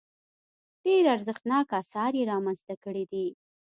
ډېر ارزښتناک اثار یې رامنځته کړي دي.